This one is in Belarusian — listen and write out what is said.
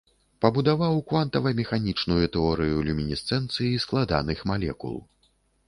Пабудаваў квантавамеханічную тэорыю люмінесцэнцыі складаных малекул.